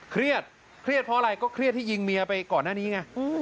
เครียดเครียดเพราะอะไรก็เครียดที่ยิงเมียไปก่อนหน้านี้ไง